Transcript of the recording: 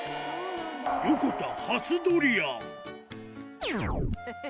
横田、初ドリアン。